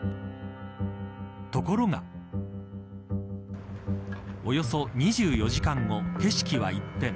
ところがおよそ２４時間後、景色は一変。